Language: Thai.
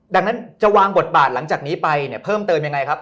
ดังนั้นจะวางบทบาทหลังจากนี้ไปเนี่ยเพิ่มเติมยังไงครับ